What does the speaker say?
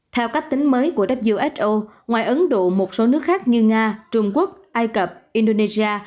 theo cách tính mới của who ngoài ấn độ một số nước khác như nga trung quốc ai cập indonesia